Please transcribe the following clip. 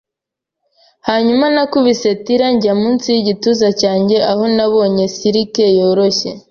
Hanyuma nakubise tiller njya munsi yigituza cyanjye, aho nabonye silike yoroshye